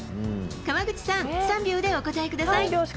川口さん、３秒でお答えください。